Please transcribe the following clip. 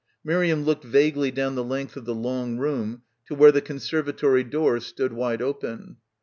Miriam looked vaguely down the length of the long room to where the conservatory doors stood wide open.